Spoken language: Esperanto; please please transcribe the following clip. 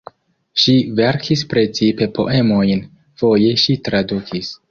Ŝi verkis precipe poemojn, foje ŝi tradukis.